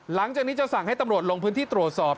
หลังจากนี้จะสั่งให้ตำรวจลงพื้นที่ตรวจสอบ